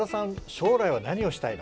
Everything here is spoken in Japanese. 将来は何をしたいの？